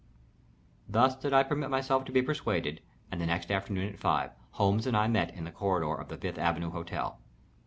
Thus did I permit myself to be persuaded, and the next afternoon at five, Holmes and I met in the corridor of the Fifth Avenue Hotel.